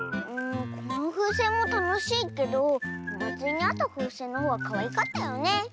このふうせんもたのしいけどおまつりにあったふうせんのほうがかわいかったよね。